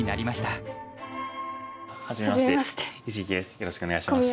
よろしくお願いします。